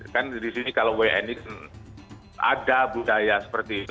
kan di sini kalau wni ada budaya seperti itu